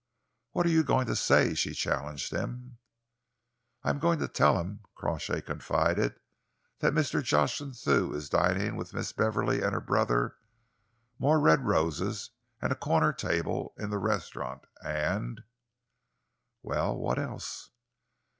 "What are you going to say?" she challenged him. "I am just going to tell him," Crawshay confided, "that Jocelyn Thew is dining with Miss Beverley and her brother, more red roses and a corner table in the restaurant, and " "Well, what else?"